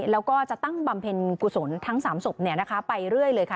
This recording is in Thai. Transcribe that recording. แล้วก็จะตั้งบำเพ็ญกุศลทั้ง๓ศพไปเรื่อยเลยค่ะ